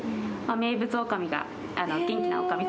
名物おかみ？